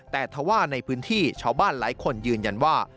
แต่ถ้าว่าในพื้นที่ชาวบ้านหลายคนยืนยันว่า